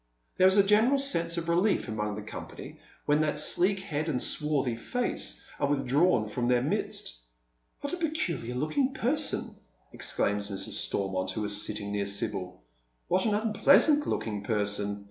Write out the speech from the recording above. There is a general sense of relief among the company when that sleek head and swarthy face are withdrawn from their midst. " What a peculiar looking person 1 " exclaims Mrs. Stormont, who is sitting near Sibyl. "What an unpleasant looking person